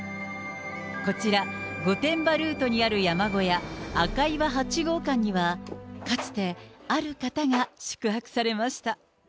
こちら御殿場ルートにある山小屋、赤岩八合館には、かつてある方が宿泊されました。